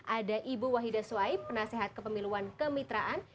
ada ibu wahida swaib penasehat kepemiluan kemitraan